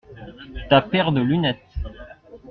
Ta paire de lunettes.